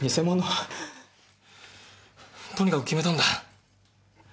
とにかく決めたんだ。